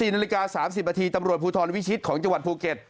๑๔น๓๐ปตำรวจภูทรวิชิตของจังหวัดภูเก็ต